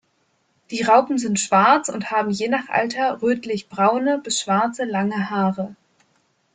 Die Raupen sind schwarz und haben je nach Alter rötlich-braune bis schwarze, lange Haare.